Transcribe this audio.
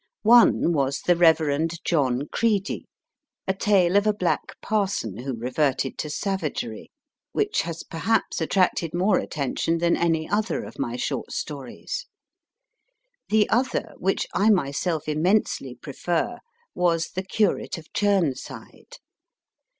One was The Reverend John Creedy a tale of a black parson who reverted to savagery which has perhaps attracted more attention than any other of my short stories. The other, which I myself immensely prefer, was The Curate of Churnside.